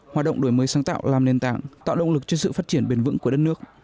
hoạt động đổi mới sáng tạo làm nền tảng tạo động lực cho sự phát triển bền vững của đất nước